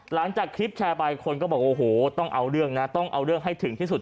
หลังจากคลิปแชร์ไปคนก็บอกโอ้โหต้องเอาเรื่องนะต้องเอาเรื่องให้ถึงที่สุด